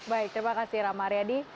baik terima kasih rama aryadi